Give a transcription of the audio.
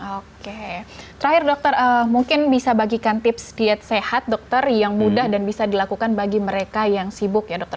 oke terakhir dokter mungkin bisa bagikan tips diet sehat dokter yang mudah dan bisa dilakukan bagi mereka yang sibuk ya dokter